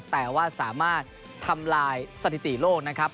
แต่ว่าสามารถทำลายสถิติโลกนะครับ